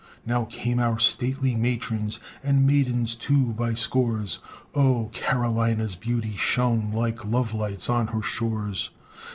Now came our stately matrons, And maidens, too, by scores; Oh! Carolina's beauty shone Like love lights on her shores.